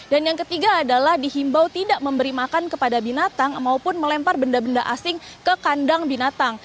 dan yang ketiga adalah dihimbau tidak memberi makan kepada binatang maupun melempar benda benda asing ke kandang binatang